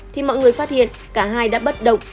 thì mọi người phát hiện cả hai đã bất động